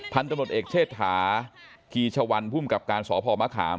พันธุ์ตำรวจเอกเชษฐาคีชวันภูมิกับการสพมะขาม